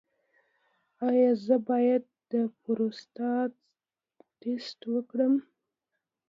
ایا زه باید د پروستات ټسټ وکړم؟